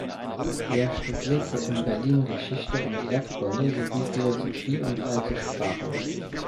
Er studierte in Berlin Geschichte und Erdkunde sowie Philosophie und alte Sprachen.